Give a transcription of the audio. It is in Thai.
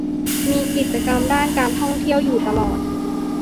มีกิจกรรมด้านการท่องเที่ยวอยู่ตลอด